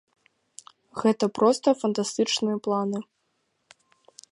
Гэта проста фантастычныя планы.